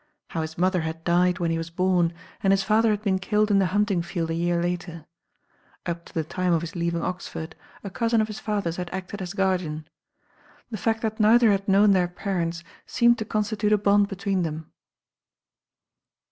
How his mother had died when he was bom, and his father had been killed in the hunting field a year later. Up to the time of his leaving Oxford, a cousin of his father's had acted as guardian. The fact that neither had known their parents seemed to constitute a bond between them.